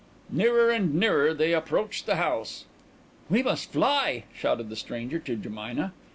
Nearer and nearer they approached the house. "We must fly," shouted the stranger to Jemina.